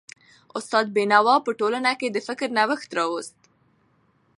استاد بينوا په ټولنه کي د فکر نوښت راوست.